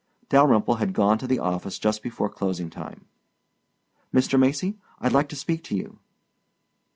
Dalyrimple had gone to the office just before closing time. "Mr. Macy, I'd like to speak to you."